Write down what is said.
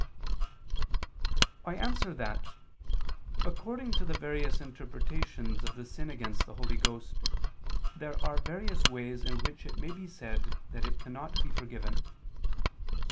I answer that, According to the various interpretations of the sin against the Holy Ghost, there are various ways in which it may be said that it cannot be forgiven.